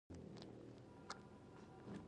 چې غواړي پر واک او سرچینو کنټرول ترلاسه کړي